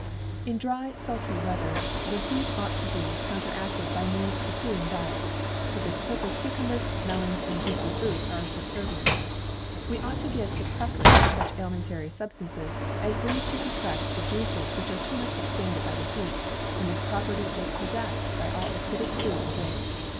In dry, sultry weather the heat ought to be counteracted by means of a cooling diet. To this purpose cucumbers, melons, and juicy fruits are subservient. We ought to give the preference to such alimentary substances as lead to contract the juices which are too much expanded by the heat, and this property is possessed by all acid food and drink.